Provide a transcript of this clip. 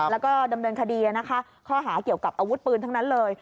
แล้วก็ดำเนินคดีนะคะข้อหาเกี่ยวกับอาวุธปืนทั้งนั้นเลย